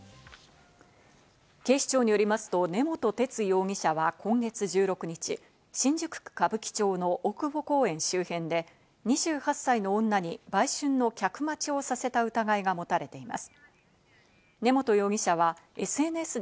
警視庁によりますと根本哲容疑者は今月１６日、新宿区歌舞伎町の大久保公園周辺で、２８歳の女に売春の客待ちをさせた疑いが持たれています。